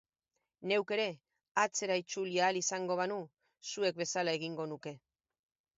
Neuk ere, atzera itzuli ahal izango banu, zuek bezala egingo nuke...